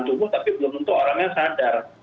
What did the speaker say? tubuh tapi belum tentu orangnya sadar